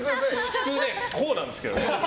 普通こうなんですけどね。